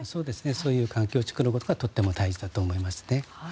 そういう環境を作ることがとても大事だと思いますね。